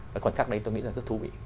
cái khoảnh khắc đấy tôi nghĩ là rất thú vị